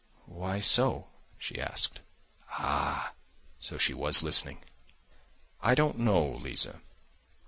"Why so?" she asked. Ah! so she was listening! "I don't know, Liza.